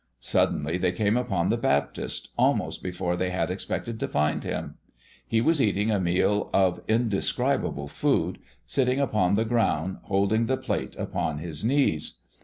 Suddenly they came upon the Baptist, almost before they had expected to find him. He was eating a meal of indescribable food, sitting upon the ground, holding the plate upon his knees.